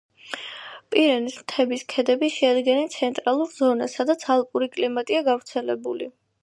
პირენეს მთების ქედები შეადგენენ ცენტრალურ ზონას, სადაც ალპური კლიმატია გავრცელებული.